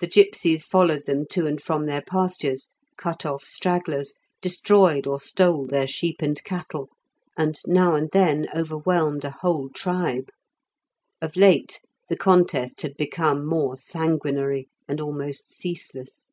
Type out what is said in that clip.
The gipsies followed them to and from their pastures, cut off stragglers, destroyed or stole their sheep and cattle, and now and then overwhelmed a whole tribe. Of late the contest had become more sanguinary and almost ceaseless.